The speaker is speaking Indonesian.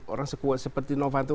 orang sekuat seperti noh kanto